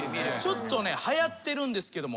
ちょっとねはやってるんですけども。